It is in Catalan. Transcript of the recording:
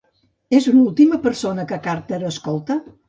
És l'última persona que Carter escolta?